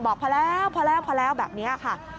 บอกพอแล้วพอแล้วพอแล้วแบบนี้ค่ะ